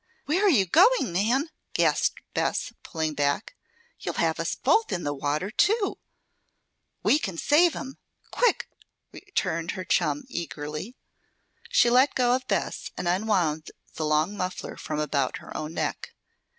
"Where are you going, Nan?" gasped Bess, pulling back. "You'll have us both in the water, too." "We can save him! Quick!" returned her chum eagerly. She let go of Bess and unwound the long muffler from about her own neck.